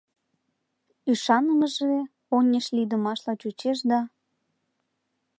— Ӱшанымыже... оньыш-лийдымашла чучеш да...